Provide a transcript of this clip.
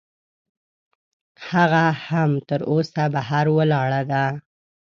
هغه هم تراوسه بهر ولاړه ده.